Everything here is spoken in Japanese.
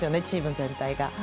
チーム全体が。